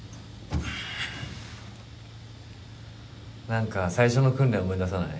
なんか最初の訓練思い出さない？